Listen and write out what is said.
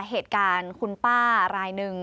เหตุการณ์คุณป้ารายหนึ่ง